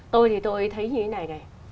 tôi thì tôi thấy như thế này này